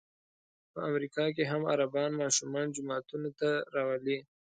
په امریکا کې هم عربان ماشومان جوماتونو ته راولي.